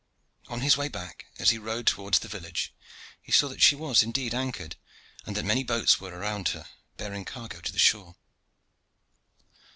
On his way back, as he rode towards the village, he saw that she had indeed anchored, and that many boats were round her, bearing cargo to the shore.